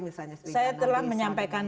misalnya saya telah menyampaikan